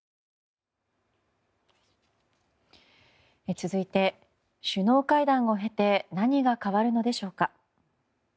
続いて、首脳会談を経て何が変わるのでしょうか。